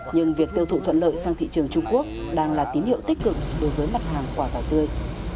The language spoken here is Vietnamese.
nhưng việc tiêu thụ thuận lợi sang thị trường trung quốc đang là tín hiệu tích cực đối với mặt hàng quả vải tươi